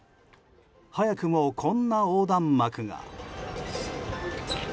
早くも、こんな横断幕が。